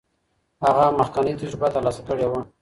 هغه مخکې تجربه ترلاسه کړې وه.